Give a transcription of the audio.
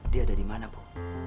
dia ada dimana bu